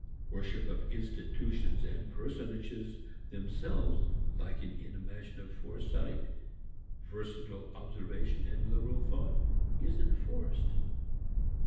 Worship of institutions and personages themselves lacking in imaginative foresight, versatile observation and liberal thought, is enforced.